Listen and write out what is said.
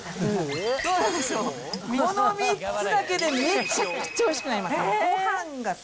この３つだけでめちゃくちゃおいしくなります。